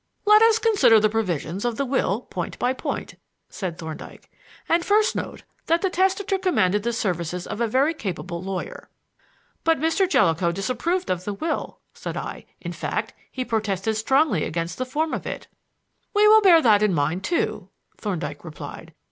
"Let us consider the provisions of the will point by point," said Thorndyke; "and first note that the testator commanded the services of a very capable lawyer." "But Mr. Jellicoe disapproved of the will," said I; "in fact, he protested strongly against the form of it." "We will bear that in mind too," Thorndyke replied.